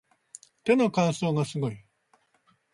手の乾燥がすごい